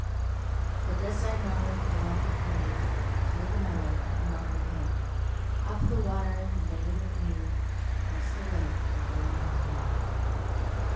20 But this I know, I love to play Through the meadow, among the hay; Up the water and over the lea, That 's the way for Billy and me.